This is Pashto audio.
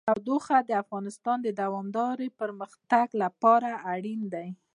تودوخه د افغانستان د دوامداره پرمختګ لپاره اړین دي.